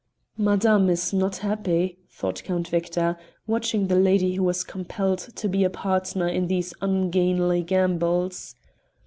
"Madame is not happy," thought Count Victor, watching the lady who was compelled to be a partner in these ungainly gambols.